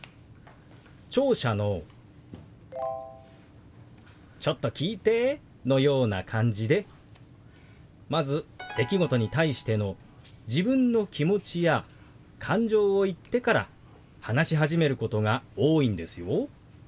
聴者の「ちょっと聞いて」のような感じでまず出来事に対しての自分の気持ちや感情を言ってから話し始めることが多いんですよ。